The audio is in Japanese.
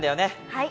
はい。